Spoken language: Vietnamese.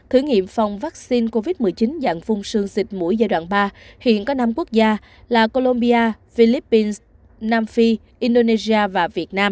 thử nghiệm phòng vaccine covid một mươi chín dạng phung xương xịt mũi giai đoạn ba hiện có năm quốc gia là colombia philippines nam phi indonesia và việt nam